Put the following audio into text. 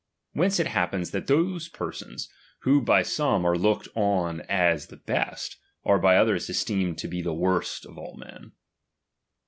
Whence it happens that those persons, who by some are looked on as the best, are by others esteemed to be the worst of all men.